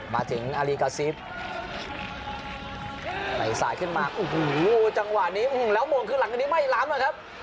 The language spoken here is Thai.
มาถึงอาริกา๑๐ไหนสายขึ้นมาโอ้โหจังหวะนี้แล้วโมงคือหลังนี้ไม่ล้ำนะครับ